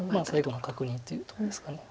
最後の確認というとこですか。